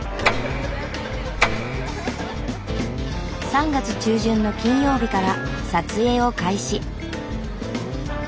３月中旬の金曜日から撮影を開始。